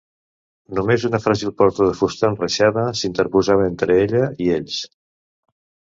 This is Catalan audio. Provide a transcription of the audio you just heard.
Només una fràgil porta de fusta enreixada s'interposava entre ella i ells.